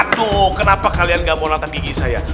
aduh kenapa kalian gak mau lata gigi saya